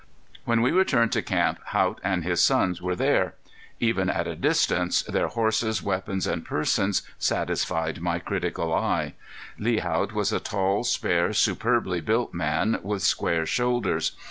When we returned to camp, Haught and his sons were there. Even at a distance their horses, weapons, and persons satisfied my critical eye. Lee Haught was a tall, spare, superbly built man, with square shoulders.